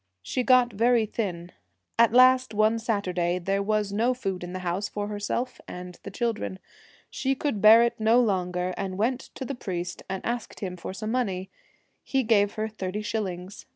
She got very thin. At last one Saturday there was no food in the house for herself and the children. She could bear it no longer, and went to the priest and asked him for some money. He gave her thirty shillings.